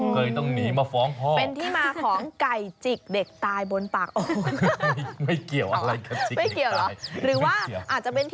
เคยต้องหนีมาฟ้องพ่อเป็นที่มาของไก่จิกเด็กตายบนปากอก